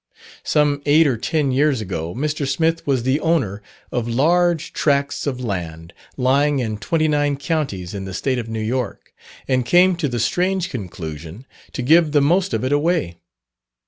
Some eight or ten years ago, Mr. Smith was the owner of large tracts of land, lying in twenty nine counties in the State of New York, and came to the strange conclusion to give the most of it away.